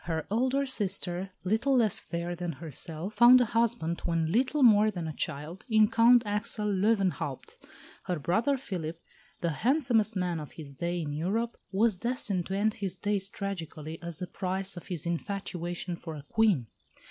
Her elder sister, little less fair than herself, found a husband, when little more than a child, in Count Axel Löwenhaupt; her brother Philip, the handsomest man of his day in Europe, was destined to end his days tragically as the price of his infatuation for a Queen.